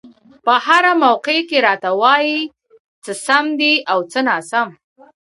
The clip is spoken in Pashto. په هره موقع کې راته وايي څه سم دي او څه ناسم.